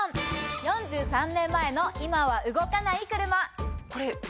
４３年前の今は動かない車。